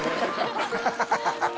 ハハハハ。